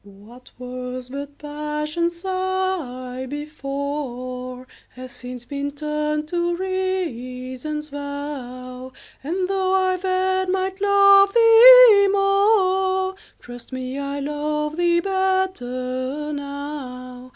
What was but Passion's sigh before, Has since been turned to Reason's vow; And, though I then might love thee more, Trust me, I love thee better now.